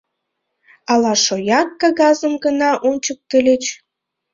Ала шояк кагазым гына ончыктыльыч?